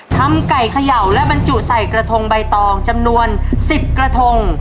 ทำไก่เขย่าและบรรจุใส่กระทงใบตองจำนวน๑๐กระทง